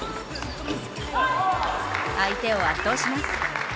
相手を圧倒します。